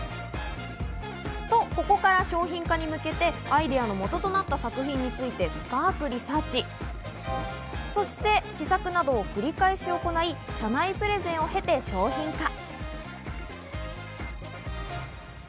と、ここから商品化に向けて、アイデアの元となった作品について深くリサーチ、そして試作などを繰り返し行い、社内プレゼンを経て商品化。